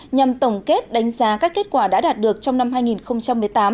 nhằm tổng kết đánh giá các kết quả đã đạt được trong năm hai nghìn một mươi tám